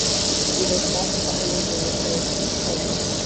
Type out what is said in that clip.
Its most important leader was Terence V. Powderly.